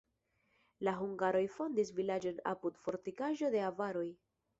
La hungaroj fondis vilaĝon apud fortikaĵo de avaroj.